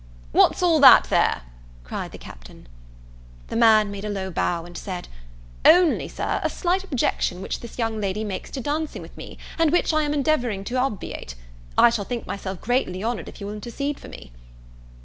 "What's all that there?" cried the Captain. The man made a low bow, and said, "Only, Sir, a slight objection which this young lady makes to dancing with me, and which I am endeavouring to obviate. I shall think myself greatly honoured if you will intercede for me."